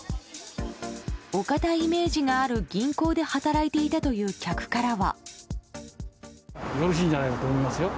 お堅いイメージがある銀行で働いていたという客からは。